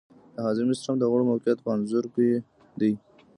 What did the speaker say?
د هاضمې سیستم د غړو موقیعت په انځور کې دی.